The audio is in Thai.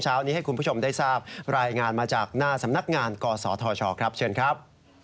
เช้านี้ให้คุณผู้ชมได้ทราบรายงานมาจากหน้าสำนักงานกศธชครับเชิญครับ